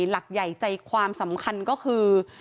หลักใหญ่ใจความสำคัญก็คือ